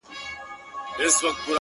مخ ځيني اړومه ـ